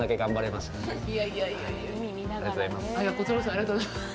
ありがとうございます。